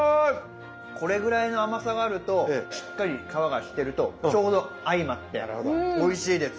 これぐらいの甘さがあるとしっかり皮がしてるとちょうど相まっておいしいです。